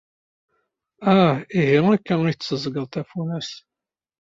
Ah, ihi akka ay tetteẓẓgeḍ tafunast?